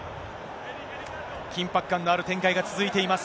緊迫感のある展開が続いています。